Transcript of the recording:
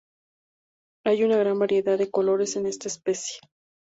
Hay una gran variedad de colores en esta especie.